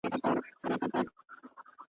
تیارې به تر ابده د دې غرونو په خوا نه وي .